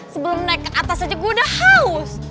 sebelum naik ke atas aja gue udah haus